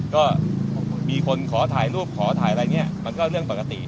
ก็มีคนขอถ่ายรูปขอถ่ายอะไรเนี่ยมันก็เรื่องปกติ